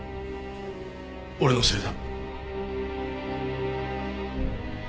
俺のせいだ。